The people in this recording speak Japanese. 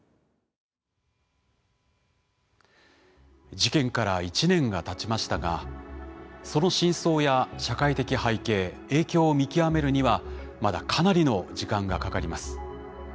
事件から１年がたちましたがその真相や社会的背景影響を見極めるにはまだかなりの時間がかかります。